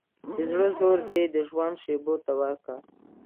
د زړه زور دي د ژوندون شېبو ته وركه